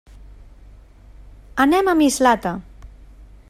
Anem a Mislata.